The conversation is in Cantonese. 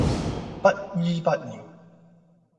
不依不饒